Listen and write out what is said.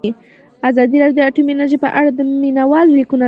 ازادي راډیو د اټومي انرژي په اړه د مینه والو لیکونه لوستي.